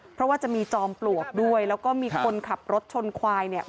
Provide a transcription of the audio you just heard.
เพราะว่าจะมีจอมปลวกด้วยแล้วก็มีคนขับรถชนควายเนี่ย